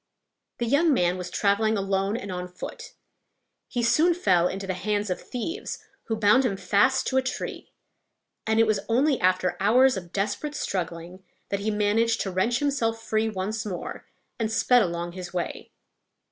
The young man was traveling alone and on foot. He soon fell into the hands of thieves, who bound him fast to a tree; and it was only after hours of desperate struggling that he managed to wrench himself free once more, and sped along his way.